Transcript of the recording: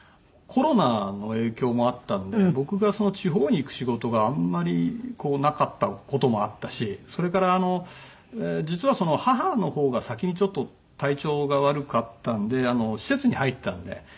コロナの影響もあったので僕が地方に行く仕事があんまりなかった事もあったしそれからあの実は母の方が先にちょっと体調が悪かったので施設に入ってたので。